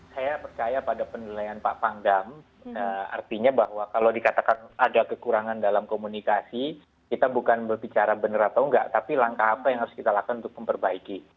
saya percaya pada penilaian pak pangdam artinya bahwa kalau dikatakan ada kekurangan dalam komunikasi kita bukan berbicara benar atau enggak tapi langkah apa yang harus kita lakukan untuk memperbaiki